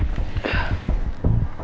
aku pergi sebentar ya